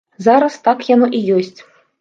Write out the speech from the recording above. Зараз так яно і ёсць.